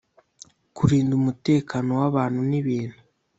Kurinda umutekano w abantu n ibintu